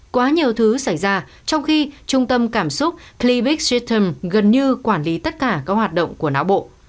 quá nhiều thứ xảy ra trong khi trung tâm cảm xúc clibix shetam gần như quản lý tất cả các hoạt động của não bộ